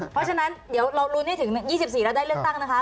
เพราะฉะนั้นเดี๋ยวเรารุ้นให้ถึง๒๔แล้วได้เลือกตั้งนะคะ